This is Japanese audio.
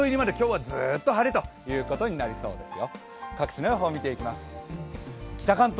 その日の入りまで今日はずっと晴れということになりそうですよ。